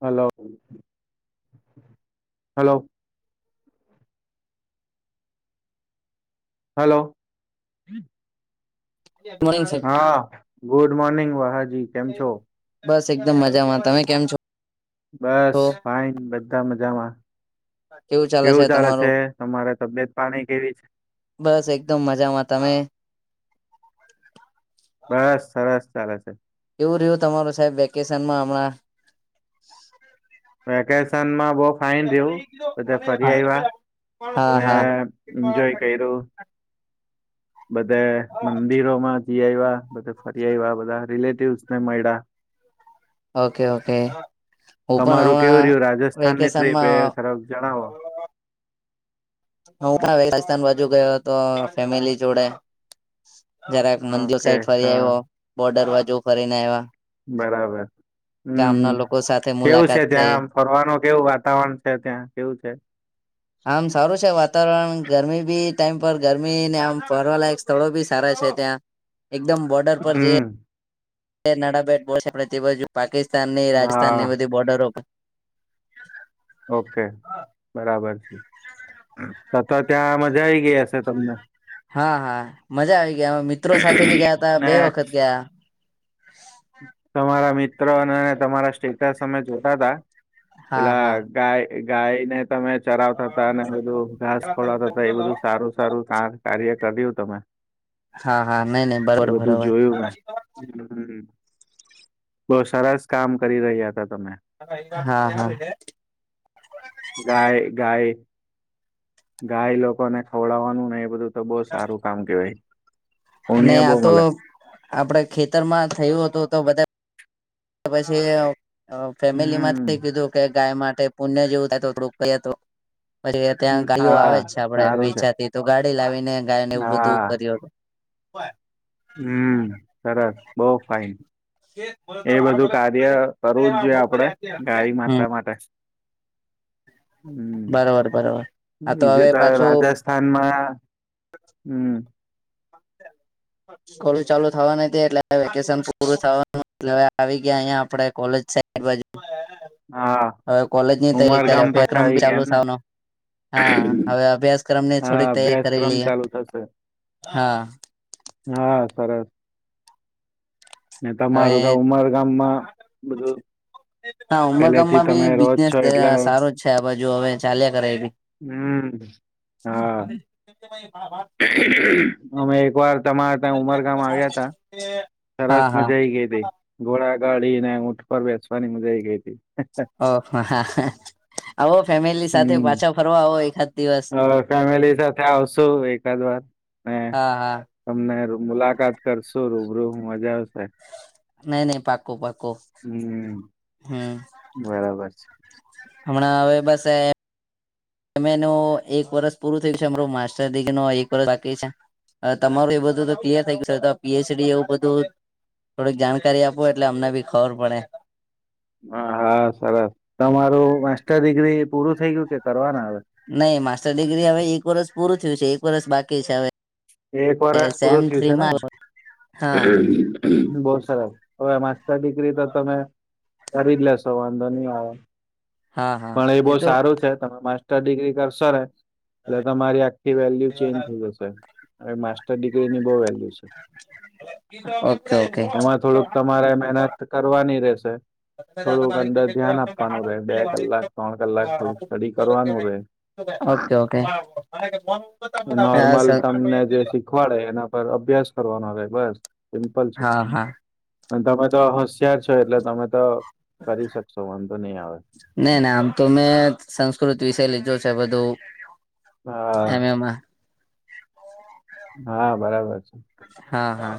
Hello, hello. Hello. Morning sir હા good morning વાહાજી કેમ છો. બસ એકદમ મજામાં તમે કેમ છો. બસ ફાઈન બધા મજામાં. કેવું ચાલે છે. તમારે તબિયત પાણી કેવી છે. બસ એકદમ મજામાં તમે. બસ સરસ ચાલે છે. એવું રહ્યું તમારું સાહેબ વેકેશનમાં હમણાં. વેકેશનમાં બહ ફાઇન જેવું. બધા ફરી આવ્યા. હા ને હા એન્જોય કર્યું. બધે મંદિરોમા. જી્યા બધ ફરી આવ્યા બધા રિલેટિવસ ને મળ્યા. Okay, okay. હું પણ તમારું કેવું હમણાં. રહ્યું રાજસ્થાનની ટ્રીપ એ વેકેશનમાં. તરફ જણાવો હું વેસ્તાન, બાજુ ગયો હતો ફેમિલી જોડે. જરાક મંદિર ઓકે સાઈડ ફરી હા આવ્યો. બોર્ડર વા જેવું ફરી ને આવ્યા. બરાબર હમમ. ગામના લોકો સાથે કેવું છે મુલાકાત થઈ ત્યાં. ફરવાનું કેવું વાતાવરણ છે. ત્યાં કેવું છે. આમ સારું છે વાતાવરણ. ગરમી બી ટાઈમ પર ગરમી ને આમ ફરવાલાયક સ્થળો બી સારા છે. ત્યાં એકદમ બોર્ડર પર જે. હમ એ નડાબેટ બોણે તે બાજુ. પાકિસ્તાનની રાજસ્થાન ની હા બધી બોર્ડરો પર [unintelligible] ઓકે બરાબર. તથ ત્યાં મજા આવીઈ ગયા હશે તમને. હા, હા મજા આવી ગયા. મિત્રો સાથે ભી ગયા તા ને બે વખત ગયા. તમારા મિત્રો અને તમારા સ્ટેટસ અમે જોતા હતા. હા તેલા હા ગાય ગાયને તમે ચરાવતા હતા અને બધું ઘાસ ખોડતા હતા એ બધું સારું સારું કાર્ય કર્યું હતું. તમે હા હા નઈ નઈ બરોબર એ બધું બરોબર જોયું મે બો સરસ કામ કરી રહ્યા હતા તમે હા હા. ગાય ગાય ગાય લોકોને ખવડાવવાનું ને એ બધું તો બો સારું કામ કેવાય અને ઉમિયા બહુ આતો મલે. આપડે ખેતરમાં થયું હતું તો બધા પછી અ ફેમિલીમાં હમ્મ. કીધું કે ગાય મા ટે પુણ્ય જેવું થાય તો થોડું તો પછી ત્યાં ગાડીઓ આવે હા જ છે, આપડે સારું છે વેચાથી તો ગા ડી લાવીને ગાયને એવું બધું હા કર્યું હતું બો ફાઈન એ બધું કાર્ય કરવું જ જોઈએ આપડે ગાય હમ માતા માટે બરોબર બરોબર. હા હવે બીજ તો પાછું રાજસ્થાનમાં હમ સકુલ ચાલુ થવાની એટલે વેકેશન પૂરું થવાનું એટલે આવી ગયા અહીયા આપડે કોલેજ [unintelligible] બાજુ હા હવે કોલેજની તૈયારી કરે ઉમરગામ પાછા અભ્યાક્રમ આવી ગયા ચાલુ એમને થવાનો હા હવે અભ્યાસક્રમની હા થોડીક તૈયારી કરી અભ્યાસક્રમ લઈએ ચાલુ થશે હા. હા સરસ. ને હવે તમારુંતો ઉમર ગામમાં બધું હા પેલેથી ઉમરકામમાં તમે બી રહો જ બિઝનેસ છો એટલે સારો જ છે, આ બાજુ હવે ચાલ્યા કરે એબી હમ હા. અમે એક વાર તમારા ત્યાં ઉમરગામ આવ્યા તા સરસ હા હા મજા આવી ગઈ હતી ઘોડા ગાડી ને ઊટ પર બેસવાની મજઈ ગઈ હતી ઓહ હા આવો ફેમિલી સાથે હમ્મ. પાછા ફરવા આવો એખાડ [inaudible] હા હા મુલાકાત કરશું રૂબરૂ હું મજા આવશે નહી નહી પાકો પાકો હમ્મ. બરાબર છે. હમણાં હવે બસે તમે એનું એક વરષ પૂરું થયું છે, અમારો માસ્ટર ડિગ્રીનુ એક વર્ષ બાકી છે. હ તમારું એ બધું તો ક્લીયર થઈ ગયું તો પીએચડી એવું બધું થોડીક જાણકારી આપવું એટલે અમને ભી ખબર પડે હ હા સરસ તમારું માસ્ટર ડિગ્રી પૂરું થઈ ગયું કે કરવાના? હવે? નહી માસ્ટર ડિગ્રી હવે એક વર્ષ પૂરું થયું છે, એક વર્ષ બાકી છે, હવે એક વરસ સેમ પૂરું થયું છે, થ્રીમાં હા ને બસ સરસ હવે માસ્ટર ડિગ્રી તો તમે કરી જ લેશો વાંધો ની આવે હા હા પણ એ બો તો સારું છે, તમે મા તટર દીગરી કરશોને એટલે તમારી આખી વેલ્યુ ચેનજ થઈ જશે હવે મા ડિગ્રી ની બહુ વેલ્યુ છે. ઓકે ઓકે એમાં થોડુંક તમારે મહેનત કરવાની રશે થોડુંક અંદર ધ્યાન આપવાનું રહેે બે કલાક ત્રણ કલાક થોડુંક સ્ટડી કરવાનું રહે ઓકે ઓકે હ સર પડે એના પર અભ્યાસ કરવાનો રે બસ સિમ્પલ છે હા હા તમા તો હોશિયાર છો એટલે તમે તો કરી શકશો વાંધો નહી આવે ના ના આમ તો મેં સંસ્કૃત વિષય લીધો છે, બધું હા એમ એમાં હા બરાબર છે. હા હા.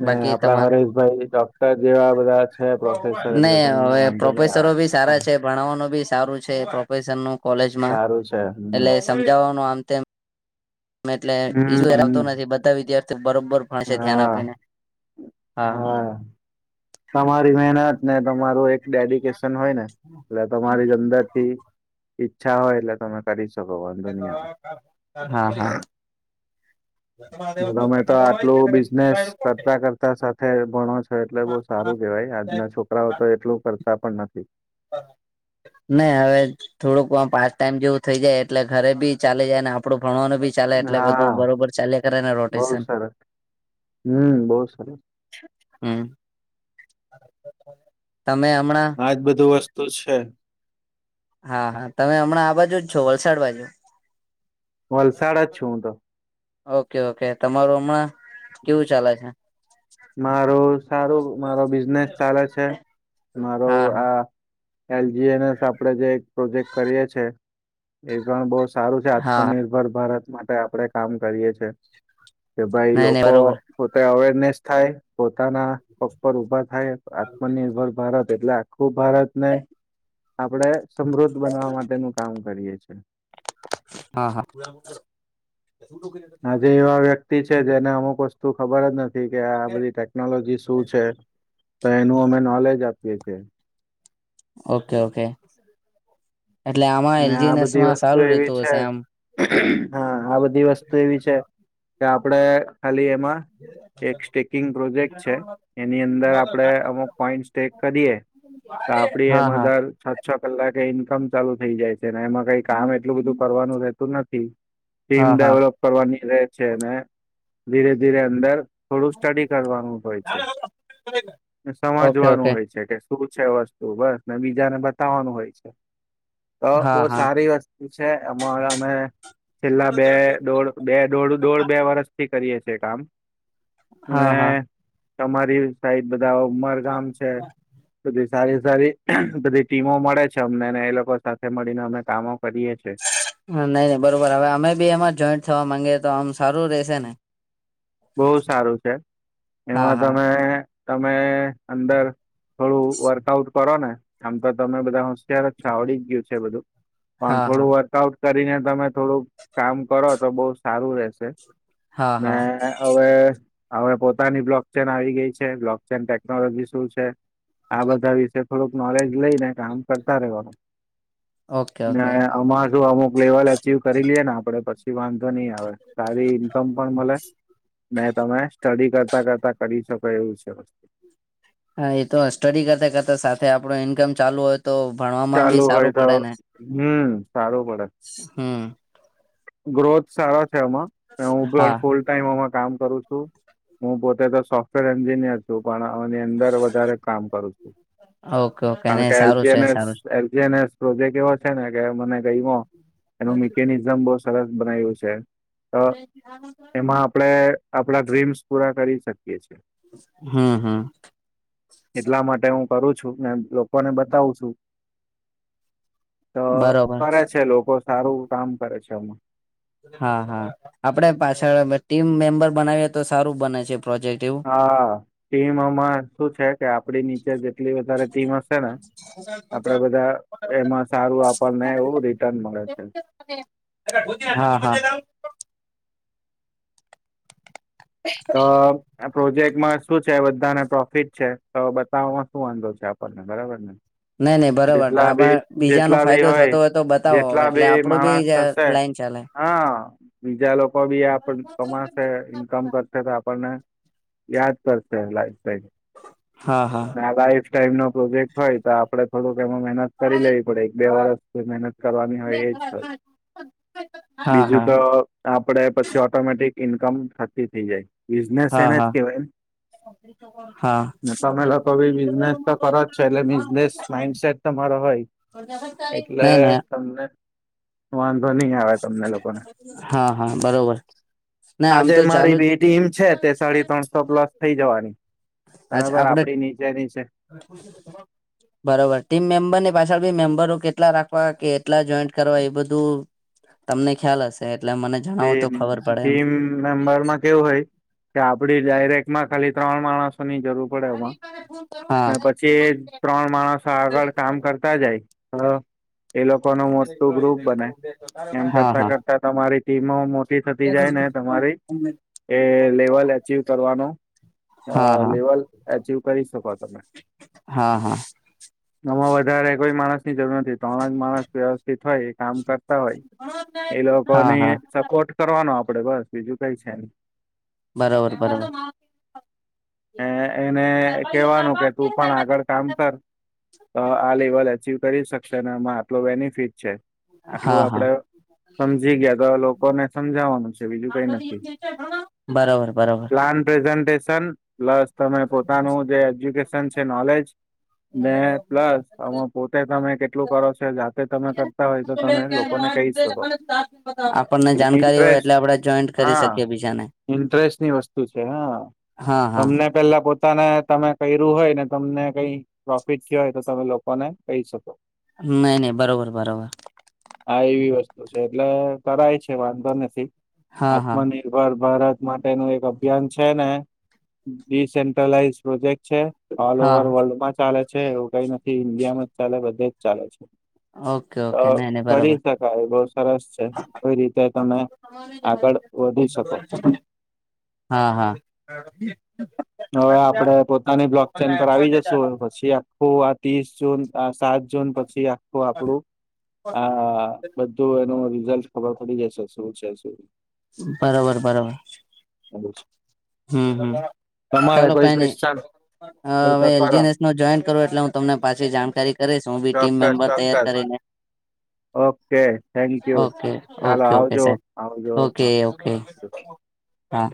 હ બાકી આપડા તમારે હરેશભાઈ ડોક્ટર જેવા બધા છે પ્રોફેસર એટલે નહી તમને હવે વાંધો નહી પ્રોફેસરો આવે. ભી સારા છે, ભણાવવાનો ભી સારું છે પ્રોફેશનનું કોલેજમાં સારું છે હમ્મ એટલે સમજાવવાનું આમ તેમ એટલે હમ્મ ઈશ્વર આવતો નથી હમ્મ બધા વિદ્યાર્થી બરોબર ભણશે ધ્યાન હા આપીને હા. તમારી મહેનત ને તમારું એક ડેડિકેશન હોય ને એટલે તમારી જો અંદરથી ઈચ્છા હોય એટલે તમે કરીશ તો કોઈ વોંદો નઈ આવે. હા હા તમે તો આટલું બિઝનેસ કરતા-કરતા સાથે ભણો છો એટલે બહું સારું કેવાય. આજના છોકરાઓ તો એટલું કરતા પણ નથી. નહી હવે થોડુંક પાસ્ટ ટાઈમ જેવું થઈ જાય એટલે ઘરે બી ચાલી જાય ને આપડું ભણવાનું બી ચાલે એટલે બધું હા બરોબર ચાલીયા કરે ને બહુ રોટેશન. સરસ હમ્મ બહું સરસ. [inaudible] હમણાં આજ બધું વસ્તુ છે. હા-હા તમે હમણાં આ બાજુ જ છો વલસાડ બાજુ. વલસાડ જ છું હું તો. ઓકે-ઓકે તમારું હમણાં કેવું ચાલે છે. મારું સારું મારો બિઝનેસ ચાલે છે મારો હા હા આ એલજી એનએસ આપડે જે એક પ્રોજેક્ટ કરીએ છે એ પણ બહું સા સારું છે. હા આત્મનિર્ભર ભારત માટે આપડે કામ કરીએ છે કે ભાઈ નહી નહી લોકો બરોબર તો પોતે અવેરનેસ થાય પોતાના પગ પર ઉભા થાય આત્મનિર્ભર ભારત એટલે આખું ભારતને આપડે સમૃદ્ધ બનવા માટેનું કામ કરીએ છે. હા-હા. આજે એવા વ્યક્તિ છે જેને અમુક વસ્તુ ખબર જ નથી નથી કે આ બધી ટેકનોલોજી શું છે તો એનું અમે નોલેજ આપીએ છે. ઓકે-ઓકે. ને આ બધી વસ્તુ એવી છે હશે આમ હા આ બધી વસ્તુ એવી છે કે આપડે ખાલી એમાં એક સ્ટેકિંગ પ્રોજેક્ટ છે એની અંદર આપડણે અમુક પોઈન્ટ સ્ટેક કરીએ તો આપડે હા એમાં હા દર છ-છ કલાકે ઈન્કમ ચાલુ થઇ જાય છે. ને એમાં કઈ કામ એટલું બધું કરવાનું રહેતું નથી. ટીમ હા હા ડેવલોપ કરવાની રહે છે અને ધીરે-ધીરે અંદર થોડું સ્ટડી કરવાનું હોય છે. ઓકે સમજવાનું ઓકે હોય છે કે શું છે વસ્તુ બસ ને બીજાને બતાવવાનું હોય છે તો બહુ હા હા સારી વસ્તુ છે અમા અમે છેલ્લા બે દોઢ બે દો દોઢ બે વર્ષથી કરીએ છે. છે કામ. અને હા-હા. તમારી સાઈડ બધા ઉમરગામ છે. સારી સારી બધી ટીમો મળે છે અમને ને એ લોકો સાથે મળીને અમે કામો કરીએ છે નહી નહી બરોબર હવે અમે બી એમાં જોઈન્ટ થવા માંગીએ તો આમ સારું રેશે ને બહું સારું છે હા એમાં હા તમે તમે અંદર થોડું વર્કઆઉટ કરો ને આમ તો તમે બધા હોશિયાર જ છો આવડી ગયું છે બધું પણ હા હા થોડું વર્કઆઉટ કરીને તમે થોડુંક કામ કરો તો બહુ સારું રહેશે. હા ને હા હવે હવે પોતાની બ્લોક ચેન આવી ગઈ છે બ્લોક ચેન ટેકનોલોજી શું છે આ બધા વિશે થોડુંક નોલેજ લઈ ને કામ કરતા રહેવાનું. ઓકે ને ઓકે આમાં શું અમુક લેવલ અચીવ કરી લેએ ને આપડે પછી વાંધ વાંધો નહી આવે સારી ઇન્કમ પણ મલે ને તમે સ્ટડી કરતા-કરતા કરી શકો. હ એવું છે. હા એ તો સ્ટડી કરતા કરતા સાથે આપડો ઈન્કમ ચાલુ હોત તો ભણવામાં બી ચાલુ હોય સારું તો પડે ને હમ સારું પડે હમ ગ્રોથ સારા છે આમાં હા હું ફૂલ ટાઈમ આમાં કામ કરું છું હું પોતે તો સોફ્ટવેર એન્જિનિયર છું પણ અંદર વધારે કામ કરું છું ઓકે ઓકે નહી સારું છે સારું છે કારણ કે પ્રોજેક્ટ એવો છે ને કે મને કહી એનું મિકેનિઝમ બહુ સરસ બનાવ્યું છે એમાં આપણેે આપણા ડ્રીમ્સ પૂરા કરી શકીએ હમ હમ એટલા માટે હું કરું છું ને લોકોને બતાવું છું તો બરોબર કરે છે લોકો સારું કામ કરે છે એમાં હા હા આપડે પાછળ ટીમ મેમ્બર બનાવીએ તો સારું બને છે પ્રોજેક્ટ એવું હા ટીમમાં શું છે કે આપડી નીચે જેટલી વધારે ટીમ હશે ને આપડે બધા એમાં સારું આપણને એવું રિટર્ન મળે છે [inaudible] તો આ પ્રોજેક્ટમાં શું છે બધાને પ્રોફિટ છે તો બતાવમાં શું વાંધો પડ ને બરાબર ને નઈ નઈ બરોબર તો જેટલા બી આમાં બીજાનો જેટલા બી ફાયદો હોય થતો તો બતાવો જેટલા એટલે બી આપડું માણસ હશે લાઈન ચાલે હા બીજા લોકો બી આપ કમાસે ક કરશે તો આપણને યાદ કરશે લાઈ હા હા આ લાઈફ ટાઈમ નો પ્રોજેક્ટ હોય તો આપડે થોડુંક એમાં મહેનત કરી લેવી પડે એક બે વર્ષ મહેનત કરવાની હોય એ હા બીજું હા તો આપણે પછી ઓટોમેટિક ઈન્કમ થતી થઈ જાય બિઝનેસ હા એને જ હા કેવાય હા તમે લોકો ભી બિઝનેસ તો કરો જ છે એટલે બિઝનેસ માઈન્ડસેટ હોય એટલે નઈ નઈ તમને વાંધો નહી આવે તમને લોકોને હા હા બરોબર ના આમ તો જે મારી ચાલુ બેી ટીમ છે તે સાડી ત્રણસો પ્લસ થઈ જવાની જ બરાબર આપડે આપડી નીચેની છે બરોબર ટીમ મેમ્બર ને પાછળ બી મેમ્બરો કેટલા રાખવા કે એટલા જોઈન્ટ કરવા એ બધું તમને ખ્યાલ હશે એટલે મને તે જણાવો તો ખબર પડે એમ ટીમ મેમ્બરમાં કેવું હોય કે આપડી ડાયરેક્ટમાં ખાલી ત્રણ માણસ ની જરૂર પડે એમાં પછી ત્રણ માણસ આગળ કામ કરતા જાય હ એ લોકો ન મોટું ગ્રુપ બને એમ હા હા હા કરતા હા કરતા તમારી ટીમો મોટી થતી જાય ને તમારી એ લેવલ એચવ કરવાનો અ લેવલ એચીવ કરી શકો તમે હા હા આમાં વધારે કોઈ માણસ ની જરૂર નથી ત્રણ જ માણસ વ્યવસ્થિત હોય એ કામ કર હોય એ લોકો હા ને હા ટ કરવાનો આપડે બસ બીજું કઈ છેમ બરોબર બરોબર એને કેવાનું કે તું પણ આગળ કામ કર હ આલેવાલેી કરી શક ને એમાં આટલ બેનિફિટ છે આટલું હા હા આપડે સમજી ગયા તો ને સમજાવવાનું છે બીજું કઈ નથી બરાબર બરાબર પ્લાન પ્રેઝ પ્લસ તમે પોતાનું જે એજ્યુકેશન છે નોલેજ ને પ્લસ આમાં પોતે તમે કેટલું કરો છ જાતે તમે કરતા હોય તો તમે લોકોને કહી શકો મને સા પતા ઇન્ટરેસ્ટ હા શકીએ બીજાને ઇન્ટરેસ્ટની વસ્તુ છે હા હા હા તમને પેલા પોતાને તમે કર્યું હોય ને તમને કઈ પ્રોફિટ થ હોય તો તમે લોકોને કહી શકો નહી નહી બરોબર બરોબર. આ એવી વસ્તુ એટલે કરાય છે વાંધો નથી હા હા આત્મનિર્ભર ભારત માટે ન એક અભિયાન છે ને ડીસેન્ટ્રલાઈઝ પ્રોજેક્ટ છે. ઓલ હા ઓવર વર્લ્ડ માં ચાલે છે એવું કઈ નથી ઈન્ડિયામાં જ ચાલે બધે જ ચાલે છે. ઓકે ઓકે નહી નહી કરી બરોબર શકાય બહ સરસ છે. આવી રીતે તમે આગળ વધી શકો. હા હા. હવે આપડે પોતાની બ્લોક ચેન પર આવી જશુ પછી આખું આ ત્રીસ જૂન સાત જૂન પછી આખું આપડું આ બધું એનું ખબર પડી જાય છે શું છે શ બરોબર બરોબર. [inaudible] હમ હમ. તમારે કોઈ કોઈ હ હવે એલજીસ નો જોઈન કરો એટલે હું તમને પાછી જાણકારી કરીશ હું બી ટીમ ચોક્કસ મેમ્બર તૈયાર ચોક્કસ કરી. હ. ઓકે થેન્ક યુ ચાલો ઓકે ઓકે આવજો સાહેબ આવજો ઓકે હા. ઓકે [inaudible] હા